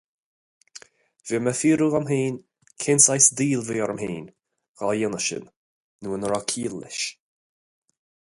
Bhí mé ag fiafrú dom féin cén saghas daol a bhí orm féin dhá dhéanamh sin nó an raibh ciall leis.